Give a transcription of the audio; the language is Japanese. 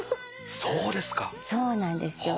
そうなんですよ。